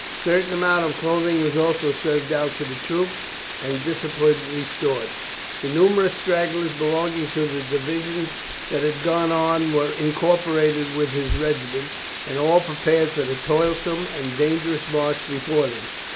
A certain amount of clothing was also served out to the troops, and discipline restored. The numerous stragglers belonging to the divisions that had gone on were incorporated with his regiments, and all prepared for the toilsome and dangerous march before them.